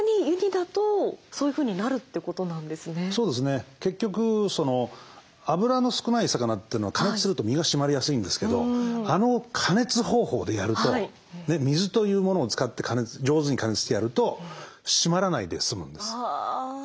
そうですね結局脂の少ない魚というのは加熱すると身が締まりやすいんですけどあの加熱方法でやると水というものを使って上手に加熱してやると締まらないで済むんです。